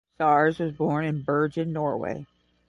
Sars was born in Bergen, Norway.